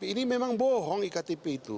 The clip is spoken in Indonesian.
ini memang bohong iktp itu